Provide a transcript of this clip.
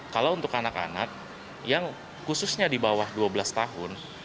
kalau untuk anak anak yang khususnya di bawah dua belas tahun